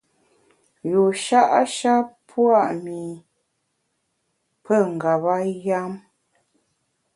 Yusha’ sha pua’ mi pe ngeba yam.